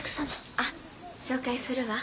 あっ紹介するわ。